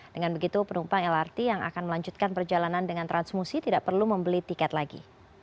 dengan begitu penumpang lrt yang akan melanjutkan perjalanan dengan transmusi tidak perlu membeli tiket lagi